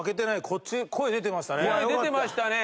こっち声出てましたね。